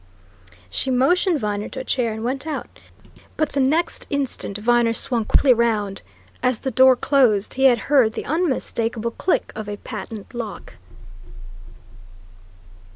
She motioned Viner to a chair and went out. But the next instant Viner swung quickly round. As the door closed, he had heard the unmistakable click of a patent lock.